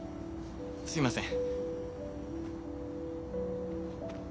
すいません。